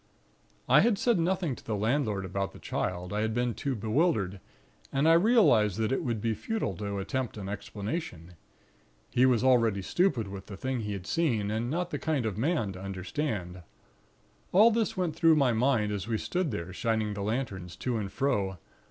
"I had said nothing to the landlord about the Child. I had been too bewildered, and I realized that it would be futile to attempt an explanation. He was already stupid with the thing he had seen; and not the kind of man to understand. All this went through my mind as we stood there, shining the lanterns to and fro.